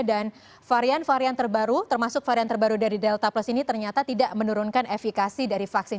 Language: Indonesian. dan varian varian terbaru termasuk varian terbaru dari delta plus ini ternyata tidak menurunkan efikasi dari vaksin